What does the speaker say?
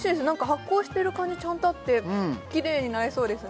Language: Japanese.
発酵してる感じがちゃんとあってきれいになれそうです。